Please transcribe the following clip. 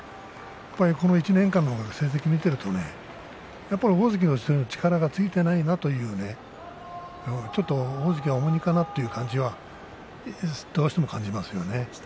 この１年間の成績を見ているとやっぱり大関の力がついていないなという大関は重荷かなという感じはどうしても感じますね。